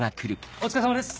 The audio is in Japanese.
お疲れさまです。